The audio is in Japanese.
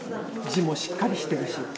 字もしっかりしてるし。